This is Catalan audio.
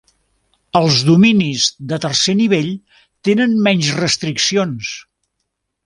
Els dominis de tercer nivell tenen menys restriccions.